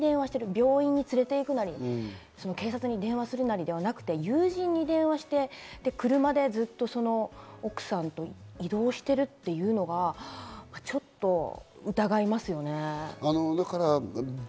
病院に連れて行くなり、警察に電話するなりではなく、友人に電話して、車でずっと奥さんと移動しているというのが、ちょっと疑いますよね。